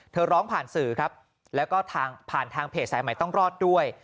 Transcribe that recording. ร้องผ่านสื่อครับแล้วก็ทางผ่านทางเพจสายใหม่ต้องรอดด้วย